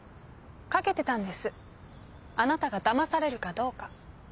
賭けてたんですあなたがだまされるかどうか。